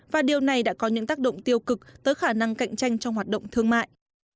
và điều này đã có những tác động tiêu cực tới khả năng cạnh tranh trong hoạt động thương mại